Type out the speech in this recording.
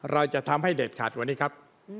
เราจะทำให้เด็ดขาดกว่านี้ครับ